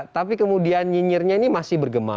tapi kemudian nyinyirnya ini masih bergema